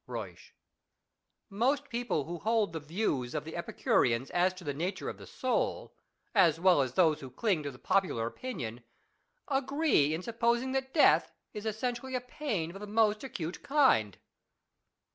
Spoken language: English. Euysch. Most people who hold the views of the Epicureans as to the nature of the soul, as well as those who cling to the popular opinion, agree in supposing that death is essentially a pain of the most acute kind.